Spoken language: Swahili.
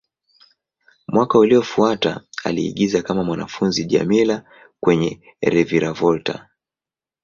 Mwaka uliofuata, aliigiza kama mwanafunzi Djamila kwenye "Reviravolta".